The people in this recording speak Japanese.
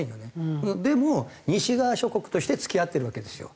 でも西側諸国として付き合ってるわけですよ。